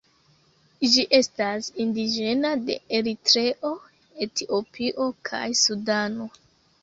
Ĝi estas indiĝena de Eritreo, Etiopio, kaj Sudano.